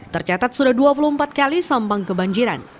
tercatat sudah dua puluh empat kali sampang kebanjiran